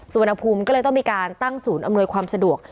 อุณหภูมิก็เลยต้องมีการตั้งศูนย์อำนวยความสะดวก